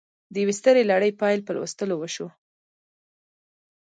د یوې سترې لړۍ پیل په لوستلو وشو